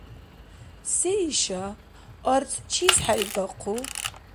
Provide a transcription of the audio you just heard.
— Се иша? Арц чис хӀейгахъу?